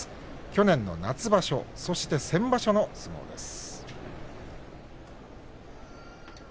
去年の夏場所そして先場所の相撲です。